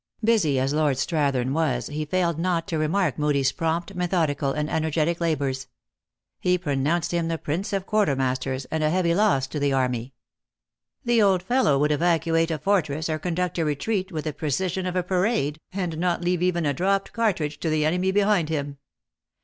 Busy as Lord Strathern was, he failed not to remark Moodie s prompt, methodical, and energetic labors. He pronounced him the prince of quarter masters, and a heavy loss to the army. "The old fellow would evacuate a fortress, or conduct a retreat with the precision of a parade, and not leave even a dropped cartridge to the enemy behind him."